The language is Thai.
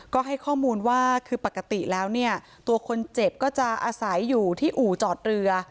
ก็ให้ข้อมูลว่าคือปกติแล้วเนี่ยตัวคนเจ็บก็จะอาศัยอยู่ที่อู่จอดเรือ